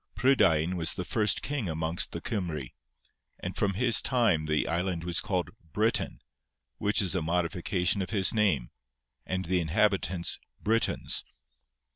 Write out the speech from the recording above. Prydain was the first king amongst the Cymry; and from his time the island was called Britain, which is a modification of his name, and the inhabitants Britons.